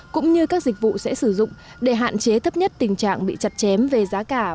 cũng như các dịch vụ sẽ sử dụng để hạn chế thấp nhất tình trạng bị chặt chém về giá cả